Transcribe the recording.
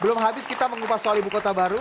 belum habis kita mengupas soal ibu kota baru